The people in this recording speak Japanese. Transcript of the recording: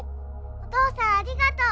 お父さんありがとう。